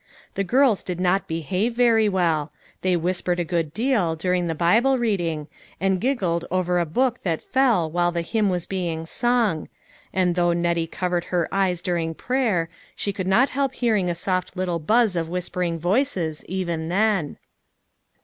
The girls did not behave very well. They whispered a good deal, during the Bible reading, and giggled over a book that fell while the hymn was being sung; and though Nettie covered her eyes during prayer, she could not help hearing a soft little buzz of whispering voices, even then.